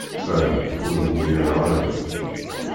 Ah! ur d-mgireɣ ara.